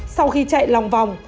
sau khi chạy lòng vòng